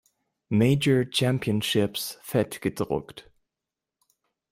Major Championships fett gedruckt.